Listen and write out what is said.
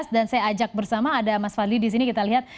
dan saya ajak bersama ada mas fadli disini kita lihat